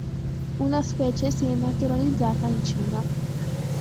Una specie si è naturalizzata in Cina.